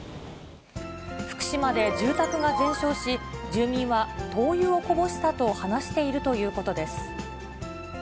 福島で住宅が全焼し、住民は灯油をこぼしたと話しているということです。